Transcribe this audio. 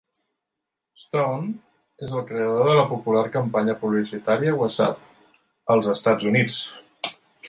Stone és el creador de la popular campanya publicitària Whassup? als Estats Units.